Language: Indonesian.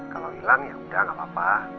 kalau hilang ya udah gak apa apa